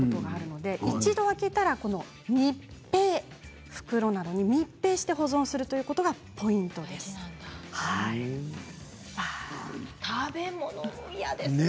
一度、開けたら袋などに密閉して保存することがポイントなんですね。